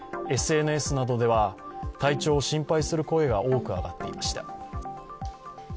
ＳＮＳなどでは、体調を心配する声が多く上がっていました。